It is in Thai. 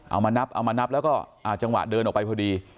เอามานับเอามานับแล้วก็จังหวะเดินออกไปพอดี